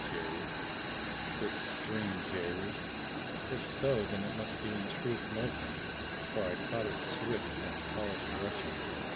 Jade? This stream jade? If so then it must be in truth molten, for I caught its swift and polished rushing!